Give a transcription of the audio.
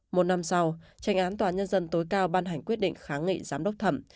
một năm sau tranh án tòa án nhân dân tối cao ban hành quyết định kháng nghị giám đốc thẩm